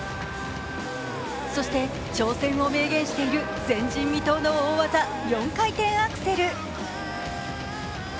そして挑戦を明言している前人未到の大技、４回転アクセル。